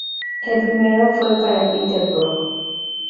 El primero fue para Peter Brook.